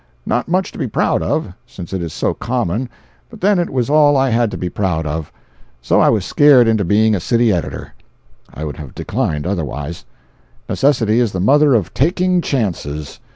Not much to be proud of, since it is so common—but then it was all I had to be proud of. So I was scared into being a city editor. I would have declined, otherwise. Necessity is the mother of "taking chances."